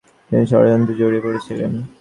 তিনি ষড়যন্ত্রে জড়িয়ে পড়েছিলেন।